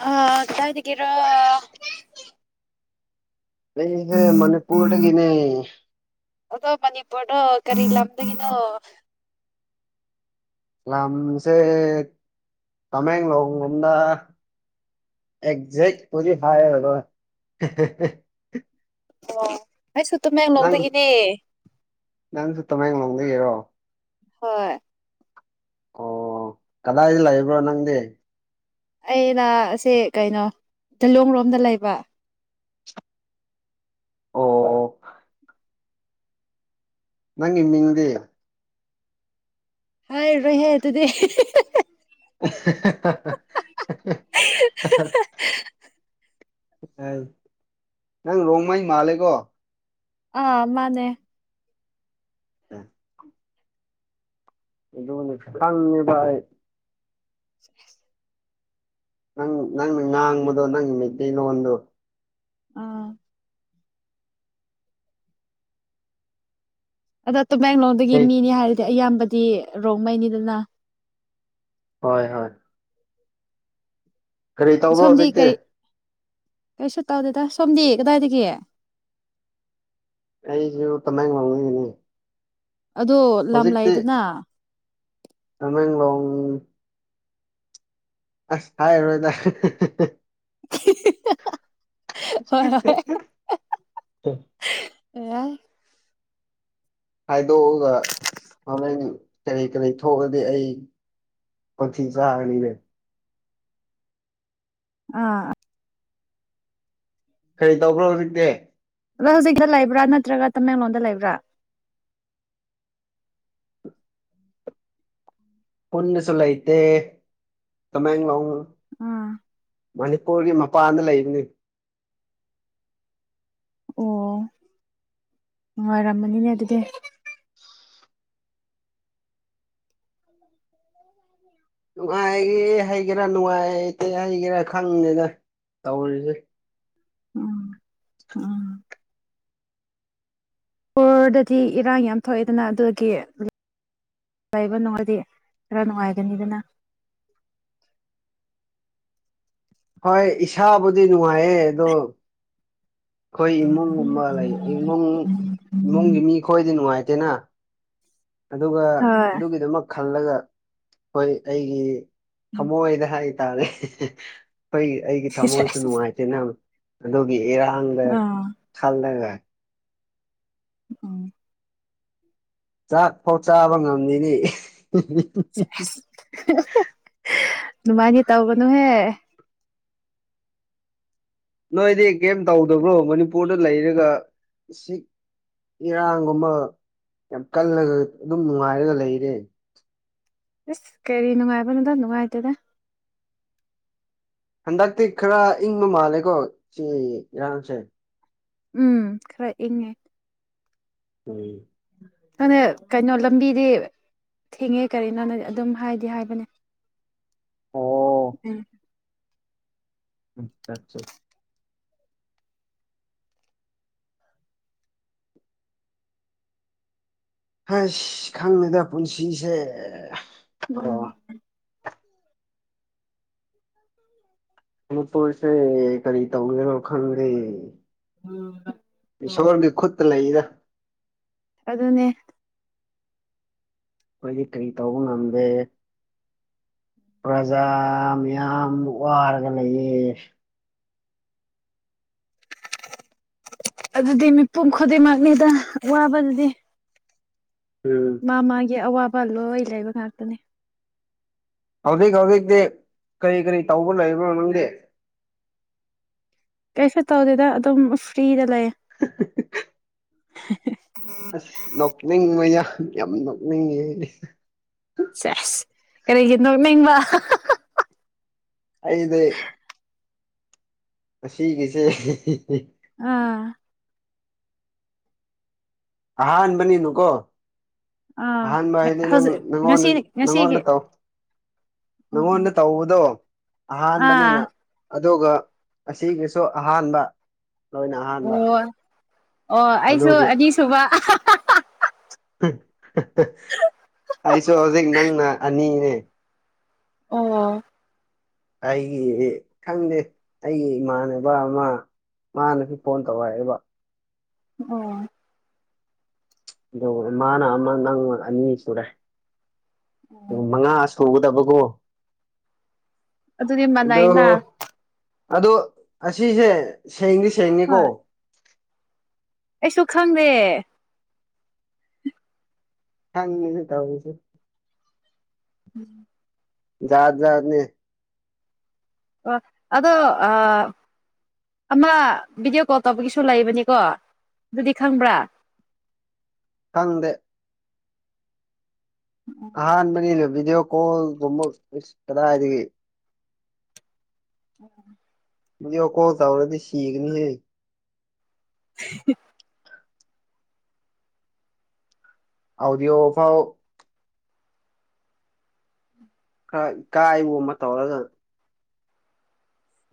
ꯍ ꯀꯗꯥꯏꯗ ꯀꯤꯔ ꯑꯩꯁ ꯃꯅꯤꯄꯨꯔꯗꯒꯤꯅꯦ ꯑꯗꯣ ꯃꯅꯤꯄꯨꯔꯗꯣ ꯀꯔꯤ ꯂꯝꯗꯒꯤꯅꯣ ꯂꯝꯁꯦ ꯇꯃꯦꯡꯂꯣꯡꯗ ꯑꯦꯛꯖ ꯄꯨꯗꯤ ꯍꯥꯏꯔꯔꯣꯏ ꯑꯣ ꯑꯩꯁꯨ ꯅꯪ ꯇꯥꯃꯦꯡꯂꯣꯡꯗꯒꯤꯅꯦ ꯅꯪꯁꯨ ꯇꯃꯦꯡꯂꯣꯡꯗꯒꯤꯔꯣ ꯍꯣꯏ ꯑꯣ ꯀꯗꯥꯏꯗ ꯂꯩꯕ꯭ꯔꯣ ꯅꯪꯗꯤ ꯑꯩꯅꯁꯦ ꯀꯩꯅꯣ ꯆꯂꯣꯡ ꯂꯣꯝꯗ ꯂꯩꯕ ꯑꯣ ꯑꯣ ꯅꯪꯒꯤ ꯃꯤꯡꯗꯤ ꯍꯥꯏ꯭ꯔꯣꯏꯍꯦ ꯇꯨꯗꯤ [unintelligible] ꯅꯪ ꯔꯣꯡꯃꯩ ꯃꯥꯂꯦꯀꯣ ꯑꯥ ꯃꯥꯅꯦ ꯎꯝ ꯑꯗꯨꯁꯨ ꯈꯪꯌꯦꯕ ꯑꯩ [unintelligible] ꯅꯪ ꯅꯪ ꯅꯪ ꯉꯥꯡꯕꯗꯣ ꯅꯪ ꯃꯩꯇꯩ ꯂꯣꯟꯗꯣ ꯑꯥ ꯑꯗꯣ ꯇꯃꯦꯡꯂꯣꯡꯗꯒꯤ ꯑꯩ ꯃꯤꯅꯤ ꯍꯥꯏꯔꯗꯤ ꯑꯌꯥꯝꯕꯗꯤ ꯔꯣꯡꯉꯩꯅꯤꯗꯅ ꯍꯣꯏ ꯍꯣꯏ ꯀꯔꯤ ꯇꯧꯕ ꯁꯣꯝꯗꯤ ꯍꯧꯖꯤꯛꯇꯤ ꯀꯔꯤ ꯀꯩꯁꯨ ꯇꯥꯎꯗꯦꯗ ꯁꯣꯝꯗꯤ ꯀꯗꯥꯏꯗꯒꯤ ꯑꯩꯁꯨ ꯇꯃꯦꯡꯂꯣꯡꯗꯒꯤꯅꯤ ꯑꯗꯣ ꯍꯧꯖꯤꯛꯇꯤ ꯂꯝꯂꯩꯗꯅ ꯇꯃꯦꯡꯂꯣꯡ ꯑꯁ ꯍꯥꯏꯔꯔꯣꯏꯗ [unintelligible] ꯍꯣꯏ ꯍꯣꯏ [unintelligible] ꯏꯃꯩ ꯍꯥꯏꯗꯣꯛꯑꯒ ꯍꯣꯔꯦꯟ ꯀꯔꯤ ꯀꯔꯤ ꯊꯣꯛꯑꯗꯤ ꯑꯩ ꯈꯣꯟꯊꯤ ꯆꯥꯔꯥꯅꯤꯅꯦ ꯑꯥ ꯀꯩ ꯇꯧꯕ꯭ꯔꯣ ꯍꯧꯖꯤꯛꯇꯤ ꯑꯗꯣ ꯍꯧꯖꯤꯛꯇꯥ ꯂꯩꯕ꯭ꯔꯥ ꯅꯠꯇ꯭ꯔꯒ ꯇꯃꯦꯡꯂꯣꯡꯗ ꯂꯩꯕ꯭ꯔꯥ ꯄꯨꯟꯅꯁꯨ ꯂꯩꯇꯦ ꯇꯃꯦꯡꯂꯣꯡ ꯑꯥ ꯃꯅꯤꯄꯨꯔꯒꯤ ꯃꯄꯥꯟꯗ ꯂꯩꯕꯅꯤ ꯑꯣ ꯅꯨꯡꯉꯥꯏꯔꯝꯒꯅꯤꯅꯦ ꯑꯗꯨꯗꯤ ꯅꯨꯡꯉꯥꯏꯉꯦ ꯍꯩꯒꯦꯔꯥ ꯅꯨꯡꯉꯥꯏꯇꯦ ꯍꯩꯒꯦꯔꯥ ꯈꯪꯗꯦꯗ ꯇꯧꯔꯤꯁꯦ ꯎꯝ ꯎꯝ ꯄꯨꯔꯗꯗꯤ ꯏꯔꯥꯡ ꯌꯥꯝ ꯊꯣꯛꯑꯦꯗꯅ ꯑꯗꯨꯗꯒꯤ ꯂꯩꯕ ꯅꯣꯏꯗꯤ ꯈꯔ ꯅꯨꯡꯉꯥꯏꯒꯅꯤꯗꯅ ꯍꯣꯏ ꯏꯁꯥꯕꯨꯗꯤ ꯅꯨꯡꯉꯥꯏꯌꯦ ꯑꯗꯣ ꯑꯩꯈꯣꯏ ꯏꯃꯨꯡꯒꯨꯝꯕ ꯂꯩ ꯏꯃꯨꯡ ꯏꯃꯨꯡꯒꯤ ꯃꯤ ꯈꯣꯏꯗꯤ ꯅꯨꯡꯉꯥꯏꯇꯦꯅ ꯑꯗꯨꯒ ꯍꯣꯏ ꯑꯗꯨꯒꯤꯗꯨꯃꯛ ꯈꯜꯂꯒ ꯍꯣꯏ ꯑꯩꯒꯤ ꯊꯃꯣꯏꯗ ꯍꯥꯏꯇꯥꯔꯦ ꯍꯣꯏ ꯑꯩꯒꯤ ꯊꯝꯃꯣꯏꯁꯦ ꯅꯨꯡꯉꯥꯏꯇꯦꯅ ꯑꯗꯨꯒꯤ ꯏꯔꯥꯡꯗ ꯑꯥ ꯈꯜꯂꯒ ꯑꯥ ꯆꯥꯛꯐꯥꯎ ꯆꯥꯕ ꯉꯝꯃꯤꯅꯦ ꯑꯗꯨꯃꯥꯏꯗꯤ ꯇꯧꯒꯥꯅꯨꯍꯦ ꯅꯣꯏꯗꯤ ꯀꯔꯤꯝ ꯇꯧꯗꯕ꯭ꯔꯣ ꯃꯅꯤꯄꯨꯔꯗ ꯂꯩꯔꯒ ꯏꯔꯥꯡꯒꯨꯝꯕ ꯌꯥꯝ ꯀꯜꯂꯒ ꯑꯗꯨꯝ ꯅꯨꯡꯉꯥꯏꯔꯒ ꯂꯩꯔꯦ ꯏꯁ ꯀꯔꯤ ꯅꯨꯡꯉꯥꯏꯕꯅꯣꯗ ꯅꯨꯡꯉꯥꯏꯇꯦꯗ ꯍꯟꯗꯛꯇꯤ ꯈꯔ ꯏꯪꯕ ꯃꯥꯜꯂꯦꯀꯣ ꯁꯤ ꯏꯔꯥꯡꯅꯁꯦ ꯎꯝ ꯈꯔ ꯏꯪꯉꯦ [inaudible] ꯅꯪꯅ ꯀꯩꯅꯣ ꯂꯝꯕꯤꯗꯤ ꯊꯦꯡꯉꯦ ꯀꯔꯤꯅꯣꯅ ꯑꯗꯨꯝ ꯍꯥꯏꯗꯤ ꯍꯥꯏꯕꯅꯦ ꯑꯣ ꯎꯝ ꯎꯝ ꯆꯠ ꯆꯦ ꯍꯁ ꯈꯪꯗꯦꯗ ꯄꯨꯟꯁꯤꯁꯦ ꯑꯣ ꯎꯝ ꯃꯅꯤꯄꯨꯔꯁꯦ ꯀꯔꯤ ꯇꯧꯒꯦꯔꯣ ꯈꯪꯗꯦ ꯏꯁꯣꯔꯒꯤ ꯈꯨꯠꯇ ꯂꯩꯗ ꯑꯗꯨꯅꯦ ꯈꯣꯏꯗꯤ ꯀꯔꯤ ꯇꯧꯕ ꯉꯝꯗꯦ ꯄ꯭ꯔꯖꯥ ꯌꯥꯝ ꯋꯥꯔꯒ ꯂꯩꯌꯦ ꯑꯗꯨꯗꯤ ꯃꯤꯄꯨꯝ ꯈꯨꯗꯤꯡꯃꯛꯅꯤꯗ ꯋꯥꯕꯗꯨꯗꯤ ꯎꯝ ꯃꯥ ꯃꯥꯒꯤ ꯑꯋꯥꯕ ꯂꯣꯏ ꯂꯩꯕ ꯉꯥꯛꯇꯅꯦ ꯍꯧꯖꯤꯛ ꯍꯧꯖꯤꯛꯇꯤ ꯀꯔꯤ ꯀꯔꯤ ꯇꯧꯕ ꯂꯩꯕ ꯅꯪꯗꯤ ꯀꯁ ꯇꯧꯗꯗ ꯑꯗꯨꯝ ꯐ꯭ꯔꯤꯗ ꯂꯩ [unintelligible] [unintelligible] ꯑꯁ ꯅꯣꯛꯅꯤꯡꯕ ꯌꯥꯝ ꯌꯥꯝ ꯅꯣꯛꯅꯤꯡꯉꯦ ꯁ‌ꯦꯁ ꯀꯔꯤꯒꯤ ꯅꯣꯛꯅꯤꯡꯕ ꯑꯩꯗꯤ ꯑꯁꯤꯒꯤꯁꯦ ꯑꯥ ꯑꯍꯥꯟꯕꯅꯤꯅ ꯀꯣ ꯑꯥ ꯑꯍꯥꯟꯕꯩꯅꯉꯣ ꯍꯧꯖꯤꯛ ꯉꯁꯤ ꯉꯁꯤꯒꯤ ꯅꯉꯣꯠꯇꯣ ꯎꯝ ꯎꯝ ꯅꯉꯣꯟꯗ ꯇꯧꯕꯗꯣ ꯑꯍꯥꯟꯕꯅꯤꯅ ꯑꯥ ꯑꯗꯨꯒ ꯑꯁꯤꯒꯤꯁꯨ ꯑꯍꯥꯟꯕ ꯂꯣꯏꯅ ꯑꯍꯥꯟꯕ ꯑꯣ ꯑꯣ ꯑꯩꯁꯨ ꯑꯗꯨꯒꯤ ꯑꯅꯤꯁꯨꯕꯥ ꯑꯩꯁꯨ ꯍꯧꯖꯤꯛ ꯅꯪꯅ ꯑꯅꯤꯅꯦ ꯑ‌ꯣ ꯑꯩꯒꯤꯗꯤ ꯈꯪꯗꯦ ꯑꯩꯒꯤ ꯏꯃꯥꯟꯅꯕ ꯑꯃ ꯃꯥꯅꯗꯤ ꯐꯣꯟ ꯇꯧ ꯍꯥꯏꯕ ꯑꯣ ꯑꯗꯨꯒ ꯃꯥꯅ ꯑꯃ ꯅꯪꯅꯥ ꯑꯅꯤ ꯁꯨꯔꯦ ꯑꯣ ꯑꯗꯨꯒ ꯃꯉꯥ ꯁꯨꯒꯗꯕ ꯀꯣ ꯑꯗꯨꯗꯤ ꯃꯅꯥꯏꯅꯥ ꯑꯗꯣ ꯑꯁꯤꯁꯦ ꯁꯦꯡꯗꯤ ꯁꯦꯡꯉꯦꯀꯣ ꯁꯨ ꯈꯪꯗꯦ ꯊꯁꯨ ꯇꯧꯕꯁ‌ꯦ ꯎꯝ ꯌꯥꯖꯥꯠꯖꯍꯥꯠꯅꯦ ꯑꯥ ꯑꯗꯣ ꯑꯥ ꯑꯃ ꯚꯤꯗꯤꯑꯣ ꯀꯣꯜ ꯇꯧꯕꯒꯤꯁꯨ ꯂꯩꯕꯅꯤꯀꯣ ꯑꯗꯨꯗꯤ ꯈꯪꯕ꯭ꯔꯥ [inaudible] ꯈꯪꯗꯦ ꯑꯍꯥꯟꯕꯅꯤꯗꯥ ꯕꯤꯗꯤꯌ‌‌ꯣ ꯀꯣꯜꯒꯖꯝꯕꯥ ꯏꯁ ꯀꯗꯥꯏꯗꯒꯤ ꯎꯝ ꯕꯤꯗꯤꯑꯣ ꯀꯣꯜ ꯇꯧꯔꯗꯤ ꯁꯤꯀꯅꯤ ꯍ‌ꯦ [unintelligible] ꯑꯥꯎꯗꯤꯌ‌ꯧ ꯐꯥꯎ ꯈꯔ ꯀꯥꯏꯕ ꯑꯃ ꯇꯧꯔꯒ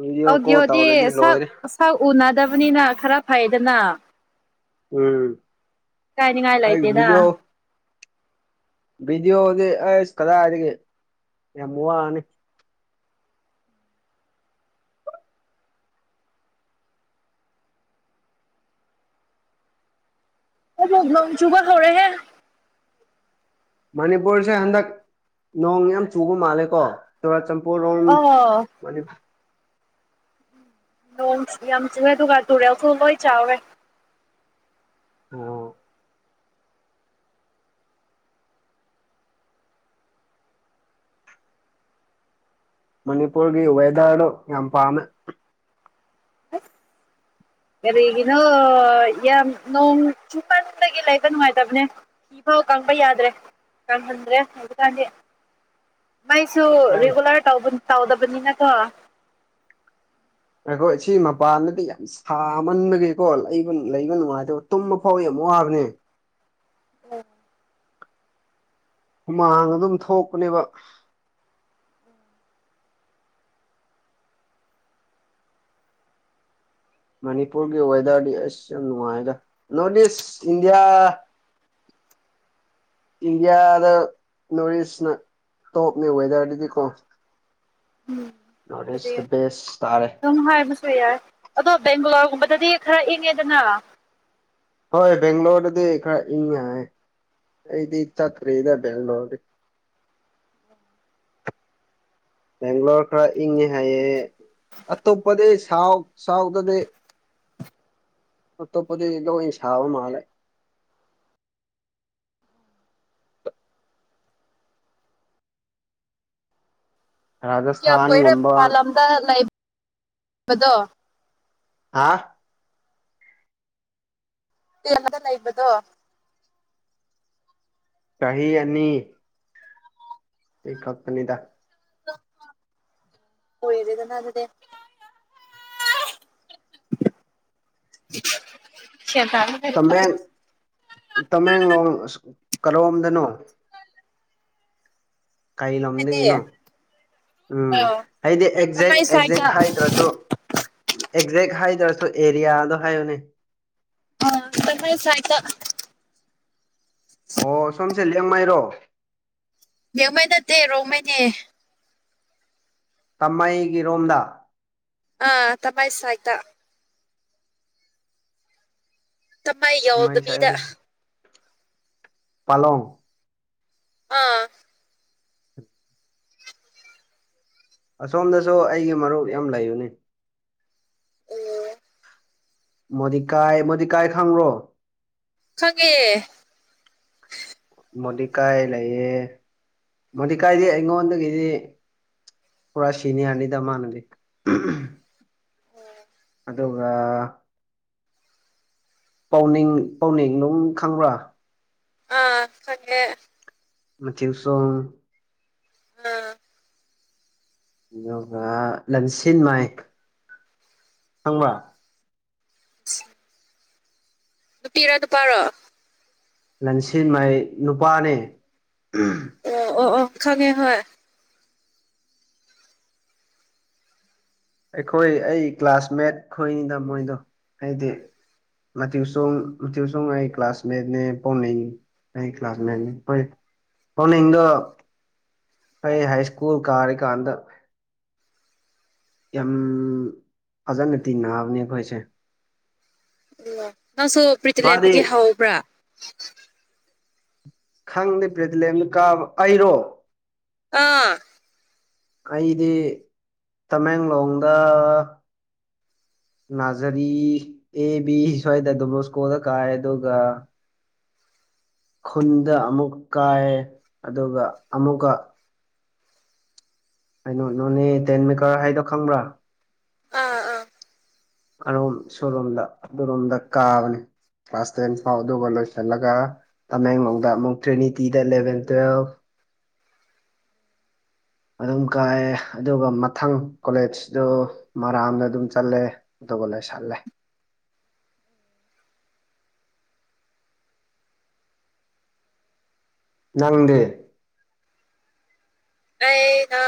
ꯚꯤꯗꯤꯑꯣ ꯀꯣꯜ ꯑꯣꯒꯤꯌꯣꯗꯤ ꯇꯧꯔꯗꯤ ꯁꯛ ꯂꯣꯏꯔꯦ ꯁꯛ ꯎꯅꯗꯕꯅꯤꯅ ꯈꯔ ꯐꯩꯗꯅ ꯎꯝ ꯀꯥꯏꯅꯤꯉꯥꯏ ꯂꯥꯏꯇꯦꯗ ꯕꯤꯗꯤꯑꯣꯗꯤ ꯑꯩꯁ ꯀꯗꯥꯏꯒꯦ ꯌꯥꯝ ꯋꯥꯅꯤ ꯅ‌ꯣꯡ ꯆꯨꯒꯗ‌ꯣꯔꯦꯍ‌ꯦ ꯃꯅꯤꯄꯨꯔꯁꯦ ꯍꯟꯗꯛ ꯅꯣꯡ ꯌꯥꯝ ꯆꯨꯕ ꯃꯥꯜꯂꯦꯀꯣ ꯄꯣꯔꯣꯟ ꯑꯣ ꯃꯅꯤ ꯅꯣꯡ ꯌꯥꯝ ꯆꯤꯡꯉꯦ ꯑꯗꯨꯒ ꯇꯨꯔꯦꯜꯁꯨ ꯂꯣꯏ ꯆꯥꯎꯔꯦ ꯑ‌ꯣ ꯃꯅꯤꯄꯨꯔꯒꯤ ꯋꯦꯗꯥꯔꯗꯨꯣ ꯌꯥꯝ ꯄꯥꯝꯃꯦ [unintelligible] ꯀꯔꯤꯒꯤꯅꯣ ꯌꯥꯝ ꯅꯣꯡ ꯆꯨꯄꯟꯗꯒꯤ ꯂꯩꯕ ꯅꯨꯡꯉꯥꯏꯇꯕꯅꯦ ꯐꯤꯐꯥꯎ ꯇꯄ ꯌꯥꯗ꯭ꯔꯦ ꯀꯪ ꯈꯟꯗ꯭ꯔꯦ ꯑꯗꯨꯀꯥꯟꯗꯤ ꯃꯥꯏꯁꯨ ꯑꯩ ꯔꯤꯒꯨꯂꯔ ꯇꯧꯗꯕꯅꯤꯅꯀꯣ ꯑꯈꯣꯏ ꯁꯤ ꯃꯄꯥꯟꯗꯗꯤ ꯌꯥꯝ ꯁꯥꯃꯟꯕꯒꯤꯦꯀꯣꯕ ꯂꯩꯕ ꯅꯨꯡꯉꯥꯏꯇꯕ ꯇꯨꯝꯕ ꯐꯥꯎ ꯌꯥꯝ ꯋꯥꯕꯅꯤ [unintelligible] ꯑꯣ ꯍꯨꯃꯥꯡ ꯑꯗꯨꯝ ꯊꯣꯛꯄꯅꯦꯕ ꯃꯅꯤꯄꯨꯔꯒꯤ ꯋꯦꯗꯔꯗꯤ ꯌꯥꯝ ꯅꯨꯡꯉꯥꯏꯒ ꯅꯣꯔꯠ ꯏꯁ ꯏꯟꯗꯤꯌꯥ [inaudible] ꯏꯟꯗꯤꯌꯥꯗ ꯅꯣꯔꯠ ꯏꯁꯅ ꯇꯣꯞꯅꯦ ꯋꯦꯗꯔꯗꯨꯗꯤꯀꯣ ꯎꯝ ꯑꯗꯨꯗꯤ ꯕꯦꯁ ꯇꯥꯔꯦ ꯑꯗꯨꯝ ꯍꯥꯏꯕꯁꯨ ꯌꯥꯏ ꯑꯗꯣ ꯕꯦꯡꯒꯂꯣꯔ ꯍꯕꯗꯗꯤ ꯈꯔ ꯏꯪꯉꯦꯗꯅ ꯍꯣꯏ ꯕꯦꯡꯒꯂꯣꯔꯗꯗꯤ ꯈꯔ ꯏꯪ ꯑꯩꯗꯤ ꯏ ꯆ ꯇꯔꯦꯗ ꯦꯜꯅꯍꯔꯦ ꯎꯝ ꯕꯦꯡꯒ꯭ꯂꯣꯔ ꯈꯔ ꯏꯪꯉꯦ ꯍꯥꯏꯌꯦꯦ ꯑꯇꯣꯞꯄꯗꯤ ꯁꯥꯎꯠ ꯁꯥꯎꯠꯇꯗꯤ ꯑ ꯇꯣꯞꯄꯗꯤꯗꯣ ꯏꯁꯥꯕ ꯃꯥꯂꯦ ꯀꯌꯥꯝ ꯀꯨꯏꯔꯦ ꯃ ꯔꯥꯖꯁꯊꯥꯟꯒꯨꯝꯕ ꯄꯥꯂꯝꯗ ꯂꯩꯕꯕꯗꯣ ꯍꯥꯥ ꯇꯦꯟꯗ ꯂꯩꯕꯗꯣ ꯀ ꯑꯅꯤ ꯑꯩ ꯀꯥꯛꯄꯅꯤꯗ ꯑꯣꯏꯔꯗꯅ ꯑꯗꯨꯗꯦ [inaudible] ꯃꯦ ꯇꯃꯦꯡꯂꯣꯡ ꯀꯔꯣꯝꯗꯅꯣ ꯀꯩ ꯍꯥꯏꯗꯤ ꯂꯝꯗꯗꯒꯤꯅꯣ ꯎꯝ ꯑ ꯍꯥꯏꯗꯤ ꯑꯦꯛꯖꯦꯛ ꯇꯃꯩ ꯑꯦꯛꯖꯦꯛ ꯁꯥꯏꯠꯇ ꯍꯥꯏꯗ꯭ꯔꯁꯨ ꯑꯦꯛꯖꯦꯛ ꯍꯥꯏ ꯇꯔꯁꯨ ꯑꯦꯔꯤꯌꯥꯗꯣ ꯍꯥꯏꯌꯅꯦ ꯑ ꯀꯁꯥꯏꯁꯥꯏꯇ ꯑꯣ ꯁꯣꯝꯁꯦ ꯂꯦꯡꯉꯩꯔꯣ ꯅꯃꯥꯏ ꯅꯠꯇꯦ ꯔꯣꯃꯥꯏꯅꯦ ꯇꯃꯥꯏꯩꯒꯤ ꯔꯣꯝꯗ ꯑ ꯇꯃꯥꯏꯁꯥꯏꯇ ꯇꯃ ꯑꯩꯒ ꯋꯥꯕꯕꯤꯤꯗ ꯄꯂꯪ ꯑꯥ ꯑꯁꯣꯝꯗꯁꯨ ꯑꯩꯒꯤ ꯃꯔꯨꯞ ꯌꯥꯝ ꯂꯩꯌꯨꯅꯤ ꯃꯣꯗꯤꯀꯥꯏ ꯃꯣꯗꯤꯀꯥꯏ ꯈꯪꯕ꯭ꯔꯣ ꯈꯪꯉꯦ ꯃꯣꯗꯤꯤꯀꯥꯏ ꯂꯩꯌꯦ ꯃꯣꯗꯤꯤꯀꯥꯏꯗꯤ ꯑꯩꯉꯣꯟꯗꯒꯤꯗꯤ ꯄꯨꯔꯥ ꯁꯤꯅꯤꯌꯥꯔꯅꯤꯗ ꯃꯥꯅꯕꯤ ꯑꯣꯝ ꯑꯗꯨꯒ ꯄꯥꯎꯅꯤꯡ ꯄꯥꯎꯅꯤꯡ ꯅꯨꯡ ꯈꯪꯕ꯭ꯔꯥ ꯑꯥ ꯍꯦ ꯃꯆ ꯁꯣ ꯑꯥ ꯑꯗꯨꯒ ꯂꯝꯁꯤꯟ ꯃꯥꯏ ꯊꯪꯕ ꯎ ꯅꯨꯇꯤꯔꯥ ꯑꯗꯨ ꯄꯔꯣ ꯂꯟꯁꯤꯟꯃꯩ ꯅꯨꯄꯥꯅꯦ ꯑꯣ ꯑꯣ ꯑꯣ ꯑꯣꯪꯈꯒꯦ ꯍꯣꯏ ꯑꯩꯈꯣꯏ ꯑꯩ ꯀ꯭ꯂꯥꯁꯃꯦꯠ ꯈꯣꯏꯅꯤꯗ ꯃꯣꯏꯗꯣ ꯍꯥꯏꯗꯤ ꯊ ꯁꯊ ꯁꯣꯡ ꯑꯩ ꯀ꯭ꯂꯥꯁꯃꯦꯠꯅꯦ ꯄꯣꯔꯅꯤ ꯀ ꯀ꯭ꯂꯥꯁ ꯐꯥꯎꯅ ꯍꯗ ꯑꯩ ꯍꯥꯏ ꯁ꯭ꯀꯨꯜ ꯀꯥꯔꯤꯀꯥꯟꯗ ꯌꯥꯝ ꯐꯖꯅ ꯇꯤꯡꯅꯑꯕꯅꯦ ꯑꯩꯈꯣꯏꯁꯦ ꯑꯣ ꯅꯪꯁꯨ ꯃꯥꯗꯤ ꯄ꯭ꯔꯤꯇꯤꯂꯦꯟꯗꯒꯤ ꯍꯧꯕ꯭ꯔꯥ ꯈꯪꯗꯦ ꯄ꯭ꯔꯤꯗꯤꯤꯂꯦꯟꯗꯨ ꯀꯥꯕ ꯑꯩꯔꯣ ꯑꯥ ꯑꯩꯗꯤ ꯇꯃꯦꯡꯂꯣꯡꯗ ꯅꯥꯖꯔꯤ ꯑꯦ ꯕꯤ ꯁ꯭ꯋꯥꯏꯗ ꯗꯨꯃꯣꯁꯀꯣꯗ ꯀꯥꯏ ꯑꯗꯨꯒ ꯈꯨꯟꯗ ꯑꯃꯨꯛ ꯀꯥꯏ ꯑꯗꯨꯒ ꯑꯃꯨꯛꯀ ꯀꯩꯅꯣ ꯅꯣꯅꯦ ꯇꯦꯟꯃꯤꯀꯔ ꯍꯥꯏꯗꯣ ꯈꯪꯕ꯭ꯔꯥ ꯑꯥ ꯑꯥ ꯑꯣꯝ ꯁꯂꯣꯝꯗ ꯑꯗꯨꯔꯣꯝꯗ ꯀꯥꯕꯅꯦ ꯀ꯭ꯂꯥꯁ ꯇꯦꯟ ꯐꯥꯎ ꯑꯗꯨꯒ ꯂꯣꯏꯁꯤꯜꯂꯒ ꯇꯃꯦꯡꯂꯣꯡꯗ ꯑꯃꯨꯛ ꯇ꯭ꯔꯤꯅꯤꯇꯤꯗ ꯏꯂꯚꯦꯟ ꯇꯨꯋꯦꯜꯐ ꯑꯗꯨꯝ ꯀꯥꯏꯑꯦ ꯑꯗꯨꯒ ꯃꯊꯪ ꯀꯣꯂꯦꯖꯇ ꯃꯔꯥꯝꯅ ꯑꯗꯨꯝ ꯆꯠꯂꯦ ꯇ ꯂ ꯆꯜ ꯂꯦ ꯎꯝ ꯅꯪꯗꯦ ꯑꯩꯅ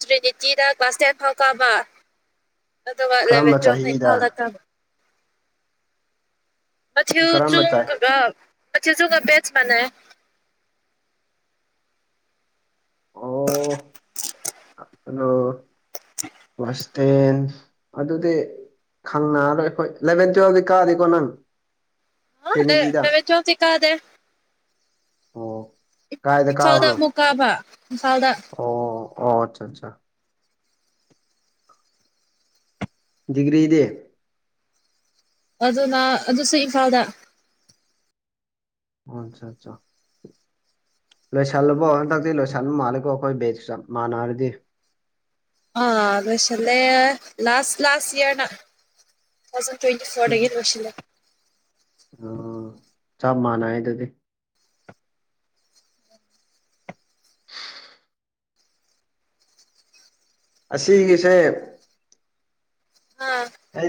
ꯇ꯭ꯔꯤꯅꯤꯇꯤꯗ ꯀ꯭ꯂꯥꯁ ꯇꯦꯟ ꯐꯥꯎ ꯀꯥꯕ ꯑꯗꯨ ꯋꯥꯠꯂꯦꯕꯦ ꯀꯔꯝꯕ ꯆꯣꯝꯅ ꯆꯍꯤꯗ ꯏꯝꯐꯥꯜꯗ ꯆ ꯄ ꯀꯔꯝꯕ ꯆꯥꯏ ꯆꯨꯒ ꯑ ꯄ ꯆꯨꯒ ꯄꯦꯆ ꯃꯅꯥꯏ ꯑꯣ ꯋꯥꯁꯇꯦꯟ ꯑꯗꯨꯗꯤ ꯈꯪꯅꯔꯣꯏ ꯑꯩꯈꯣꯏ ꯏꯂꯚꯦꯟ ꯇꯨꯋꯦꯜꯞꯗꯤ ꯀꯥꯗꯤꯀꯣ ꯅꯪ ꯇ꯭ꯔꯤꯅꯤꯇꯤꯗ ꯑ ꯃ ꯆꯣ ꯁꯤꯤꯀꯥꯗꯦ ꯑꯣ ꯀꯥꯏꯗ ꯏꯝꯐꯥꯜꯗ ꯀꯥꯕꯅꯣ ꯑꯃꯨꯛ ꯀꯥꯕ ꯏꯝꯐꯥꯜꯗ ꯑꯣ ꯑꯣ ꯑꯠꯆꯥ ꯑꯠꯆꯥ ꯗꯤꯒ꯭ꯔꯤ ꯏꯦ ꯑꯗꯨꯅ ꯑꯗꯨꯁꯨ ꯏꯝꯐꯥꯜꯗ ꯍꯁ ꯆ ꯂꯣꯏꯁꯤꯜꯂꯨꯕꯣ ꯍꯟꯗꯛꯇꯤ ꯂꯣꯏꯁꯤꯜꯂꯨ ꯃꯥꯜꯂꯦꯀꯣ ꯑꯩꯈꯣꯏ ꯕꯦꯒꯁꯨ ꯆꯞ ꯃꯥꯟꯅꯔꯗꯤ ꯑꯁꯂꯦ ꯂꯥꯁꯥꯁ ꯂꯥꯁꯥꯁ ꯏꯌꯥꯔꯅ ꯇ꯭ꯋꯦꯟꯇꯤ ꯐꯣꯔꯦ ꯑꯣ ꯆꯞ ꯃꯥꯟꯅꯌꯦ ꯑꯗꯨꯗꯤ ꯑꯁꯤꯒꯤꯁꯦ ꯑꯥ ꯑꯩ